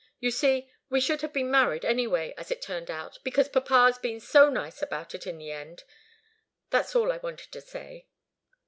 You see, we should have been married, anyway, as it's turned out, because papa's been so nice about it in the end. That's all I wanted to say."